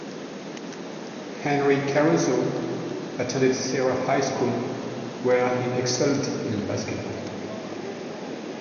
Henry Caruso attended Serra High School where he excelled in basketball.